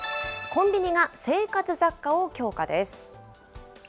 コンビニが生活雑貨を強化です。